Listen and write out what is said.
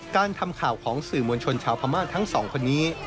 การทำข่าวของสื่อมวลชนชาวพม่าทั้งสองคนนี้